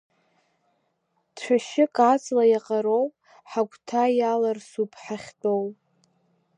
Цәашьык аҵла иаҟароу, ҳагәҭа иаларсуп, ҳахьтәоу…